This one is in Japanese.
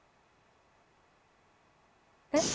えっ。